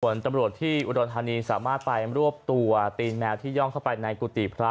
ส่วนตำรวจที่อุดรธานีสามารถไปรวบตัวตีนแมวที่ย่องเข้าไปในกุฏิพระ